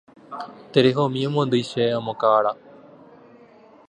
Terehomi emondýi chéve amo kavara.